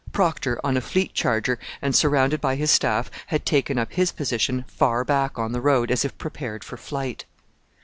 Procter, on a fleet charger and surrounded by his staff, had taken up his position far back on the road, as if prepared for flight.